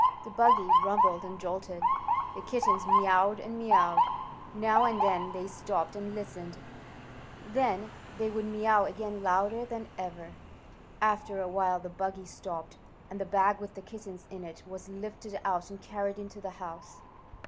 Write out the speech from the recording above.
The buggy rumbled and jolted. The kittens mewed and mewed. Now and then they stopped and listened. Then they could hear the voices talking up above them. Then they would mew again louder than ever. After a while the buggy stopped, and the bag with the kittens in it was lifted out and carried into the house.